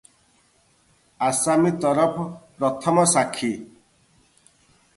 ଆସାମୀ ତରଫ ପ୍ରଥମ ସାକ୍ଷୀ ।